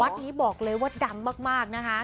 วัดนี้บอกเลยว่าดำมากนะฮะ